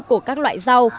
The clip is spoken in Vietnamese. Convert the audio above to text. của các loại rau